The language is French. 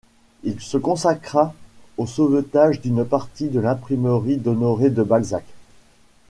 Il se consacra au sauvetage d'une partie de l'imprimerie d'Honoré de Balzac.